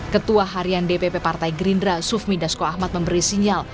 ketua harian dpp partai gerindra sufmi dasko ahmad memberi sinyal